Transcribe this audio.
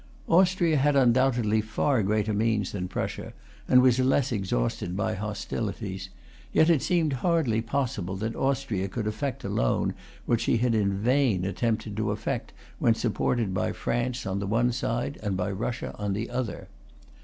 Austria had undoubtedly far greater means than Prussia, and was less exhausted by hostilities; yet it seemed hardly possible that Austria could effect alone what she had in vain attempted to effect when supported by France on the one side, and by Russia on the other.